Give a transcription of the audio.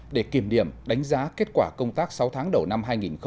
để kiểm điểm đánh giá kết quả công tác sáu tháng đầu năm hai nghìn hai mươi